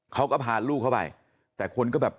เขาก็พาลูกเข้าไปแต่คนก็แบบ